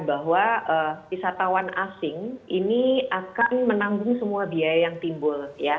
bahwa wisatawan asing ini akan menanggung semua biaya yang timbul